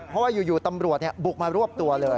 เพราะว่าอยู่ตำรวจบุกมารวบตัวเลย